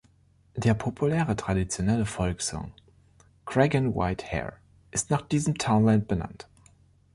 Der populäre traditionelle Folksong „Creggan White Hare“ ist nach diesem Townland benannt.